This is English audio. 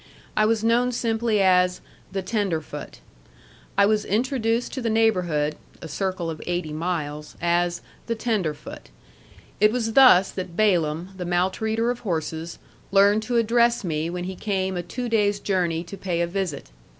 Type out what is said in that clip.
I was known simply as "the tenderfoot." I was introduced to the neighborhood (a circle of eighty miles) as "the tenderfoot." It was thus that Balaam, the maltreater of horses, learned to address me when he came a two days' journey to pay a visit.